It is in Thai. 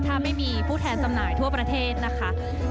ถ้าไม่มีผู้แทนจำหน่ายทั่วประเทศนะคะ